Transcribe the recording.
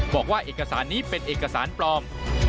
บอกว่าเอกสารนี้เป็นเอกสารปลอม